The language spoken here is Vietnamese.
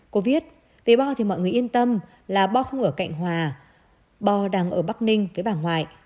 cô viết về bo thì mọi người yên tâm là bo không ở cạnh hòa bo đang ở bắc ninh với bà ngoại